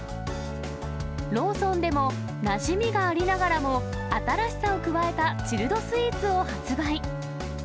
ローソンでも、なじみがありながらも新しさを加えたチルドスイーツを発売。